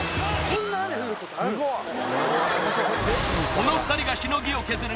この２人がしのぎを削る